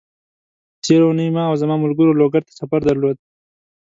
تېره اونۍ ما او زما ملګرو لوګر ته سفر درلود،